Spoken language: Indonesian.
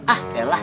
ah ya lah